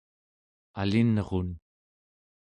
alinrun